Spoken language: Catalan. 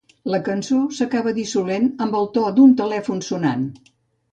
La cançó s'acaba dissolent amb el to d'un telèfon sonant.